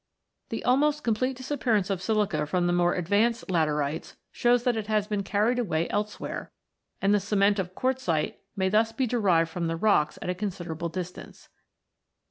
The almost complete disap pearance of silica from the more advanced laterites shows that it has been carried away elsewhere, and the cement of quartzite may thus be derived from rocks at a considerable distance.